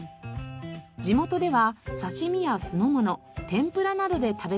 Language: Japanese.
地元では刺し身や酢の物天ぷらなどで食べられています。